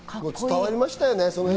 伝わりましたよね。